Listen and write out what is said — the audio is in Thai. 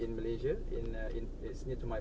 ผมชอบที่สุขมวิท